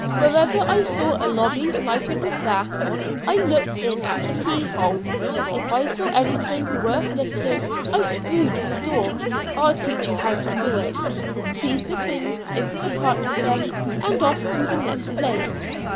Wherever I saw a lobby lighted with gas, I looked in at the key hole. If I saw anything worth lifting I 'screwed' the door I'll teach you how to do it seized the things, into the cart with them, and off to the next place.